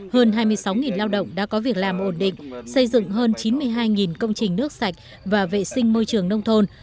hơn hai mươi sáu lao động đã có việc làm ổn định xây dựng hơn chín mươi hai công trình nước sạch và vệ sinh môi trường nông thôn